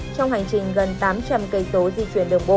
trong hành trình gần tám trăm linh km di chuyển đường bộ